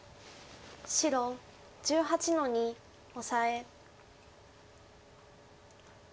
白１８の二オサエ。